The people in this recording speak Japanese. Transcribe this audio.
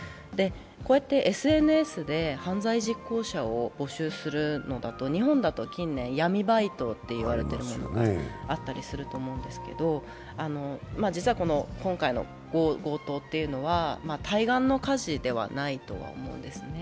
こうやってＳＮＳで犯罪実行者を募集するのだと日本だと近年、闇バイトと言われているものがあったりすると思うんですけど、実は今回の強盗というのは、対岸の火事ではないとは思うんですね。